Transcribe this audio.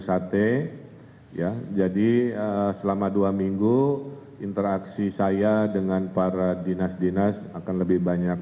sate ya jadi selama dua minggu interaksi saya dengan para dinas dinas akan lebih banyak